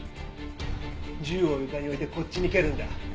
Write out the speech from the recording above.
銃を床に置いてこっちに蹴るんだ。